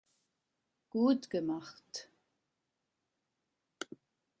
Gut gemacht.